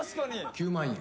９万円。